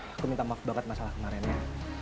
aku minta maaf banget masalah kemarin ya